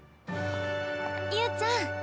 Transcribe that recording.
侑ちゃん。